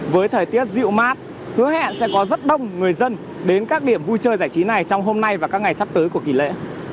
với thời tiết dịu mát hứa hẹn sẽ có rất đông người dân đến các điểm vui chơi giải trí này trong hôm nay và các ngày sắp tới của kỳ lễ